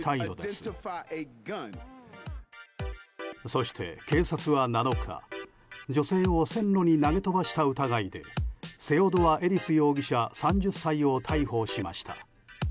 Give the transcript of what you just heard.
そして警察は７日女性を線路に投げ飛ばした疑いでセオドア・エリス容疑者３０歳を逮捕しました。